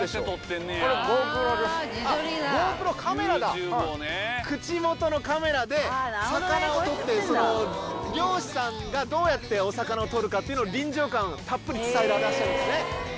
ここで口元のカメラで魚を撮って漁師さんがどうやってお魚を取るかって臨場感たっぷり伝えてらっしゃるんですね。